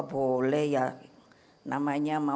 tidak ada kata kata tentang pancasila